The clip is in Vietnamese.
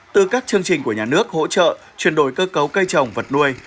từ các chương trình của nhà nước hỗ trợ chuyển đổi cơ cấu cây trồng vật nuôi